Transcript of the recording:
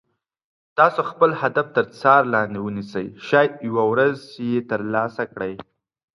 تاسو خپل هدف تر څار لاندې ونیسئ شاید یوه ورځ یې تر لاسه کړئ.